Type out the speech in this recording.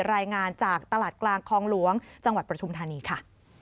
รายงานจากตลาดกลางคลองหลวงจังหวัดปฐุมธานีค่ะ